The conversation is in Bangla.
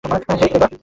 হেই, দেবা!